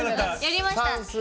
やりました。